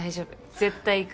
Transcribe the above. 絶対行く。